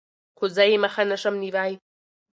خو زه يې مخه نشم نيوى.